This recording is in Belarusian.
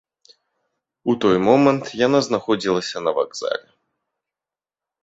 У той момант яна знаходзілася на вакзале.